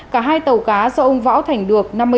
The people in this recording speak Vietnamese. cả hai tàu cá do ông võ thành được